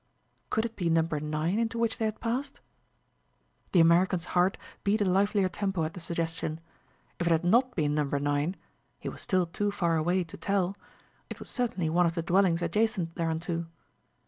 Could it be Number 9 into which they had passed? The American's heart beat a livelier tempo at the suggestion. If it had not been Number 9 he was still too far away to tell it was certainly one of the dwellings adjacent thereunto.